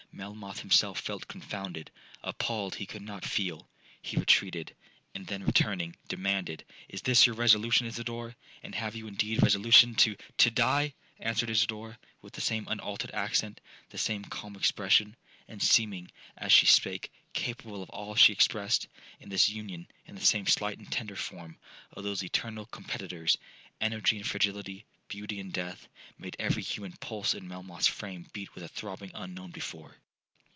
Melmoth himself felt confounded—appalled he could not feel. He retreated, and then returning, demanded, 'Is this your resolution, Isidora?—and have you indeed resolution to'—'To die!' answered Isidora, with the same unaltered accent,—the same calm expression,—and seeming, as she spake, capable of all she expressed; and this union, in the same slight and tender form, of those eternal competitors, energy and fragility, beauty and death, made every human pulse in Melmoth's frame beat with a throbbing unknown before.